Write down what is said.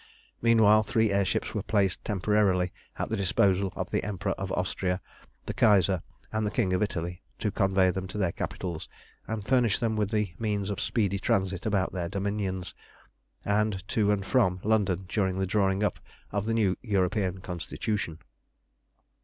Meanwhile three air ships were placed temporarily at the disposal of the Emperor of Austria, the Kaiser, and the King of Italy, to convey them to their capitals, and furnish them with the means of speedy transit about their dominions, and to and from London during the drawing up of the new European Constitution.